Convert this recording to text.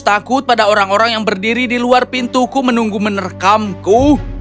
takut pada orang orang yang berdiri di luar pintuku menunggu menerkamku